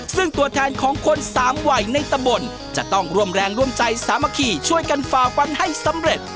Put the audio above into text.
ซึ่งตัวแทนของคนสามวัยในตะบนจะต้องร่วมแรงร่วมใจสามัคคีช่วยกันฝ่าฟันให้สำเร็จ